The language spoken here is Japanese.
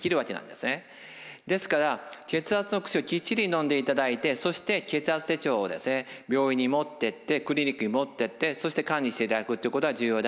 ですから血圧の薬をきっちりのんでいただいてそして血圧手帳を病院に持っていってクリニックに持っていってそして管理していただくということが重要ではないかと思います。